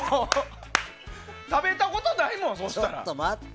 食べたことないもん、そしたら。